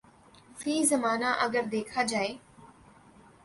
فی زمانہ اگر دیکھا جائے